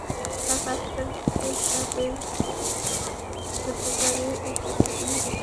রাত আটটার দিকে র্যা বের দুটি গাড়ি এসে তাঁদের নিয়ে যায়।